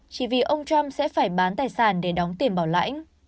chỉ vì ông trump sẽ phải bán tài sản để đóng tiền bảo lãnh